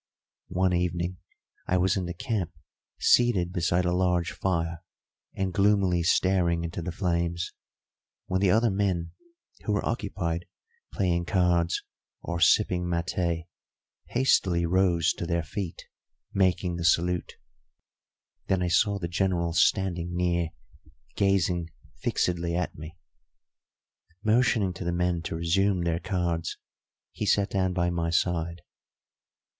One evening I was in the camp seated beside a large fire and gloomily staring into the flames, when the other men, who were occupied playing cards or sipping maté, hastily rose to their feet, making the salute. Then I saw the General standing near gazing fixedly at me. Motioning to the men to resume their cards, he sat down by my side.